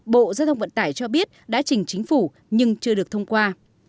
bộ giao thông vận tải cho biết đã trình chính phủ nhưng chưa được thông qua